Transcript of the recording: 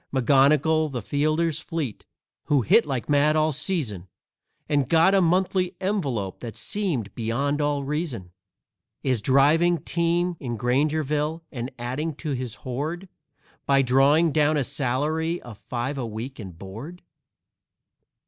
McGonnigal, the fielder fleet, who hit like mad all season, And got a monthly envelope that seemed beyond all reason, Is driving team in Grangerville, and adding to his hoard By drawing down a salary of five a week and board.